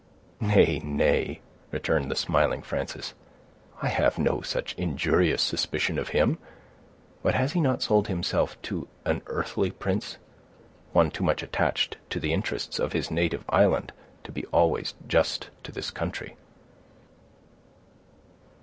"Nay, nay," returned the smiling Frances, "I have no such injurious suspicion of him; but has he not sold himself to an earthly prince—one too much attached to the interests of his native island to be always just to this country?"